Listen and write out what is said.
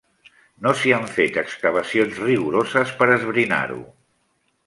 No s'hi han fet excavacions rigoroses per esbrinar-ho.